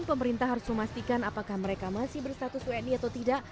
pemerintah harus memastikan apakah mereka masih berstatus wni atau tidak